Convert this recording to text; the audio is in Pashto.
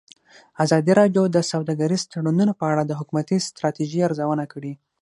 ازادي راډیو د سوداګریز تړونونه په اړه د حکومتي ستراتیژۍ ارزونه کړې.